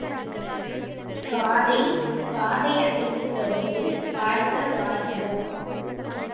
காதைக் காதை அசைத்து வருது பார்க்க வாருங்கோ.